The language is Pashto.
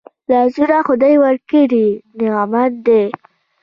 لاسونه خدای ورکړي نعمت دی